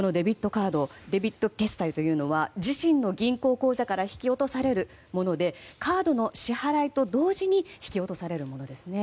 このデビット決済というのは自身の銀行口座から引き落とされるものでカードの支払いと同時に引き落とされるものですね。